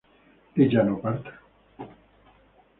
¿ella no parta?